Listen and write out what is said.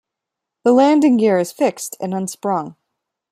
The landing gear is fixed and unsprung.